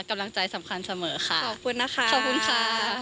กำลังใจสำคัญเสมอค่ะขอบคุณนะคะขอบคุณค่ะ